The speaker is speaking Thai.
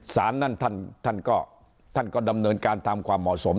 ศาลนั้นท่านก็ดำเนินการทำความเหมาะสม